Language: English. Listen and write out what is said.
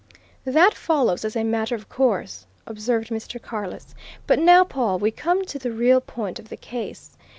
"That follows as a matter of course," observed Mr. Carless. "But now, Pawle, we come to the real point of the case.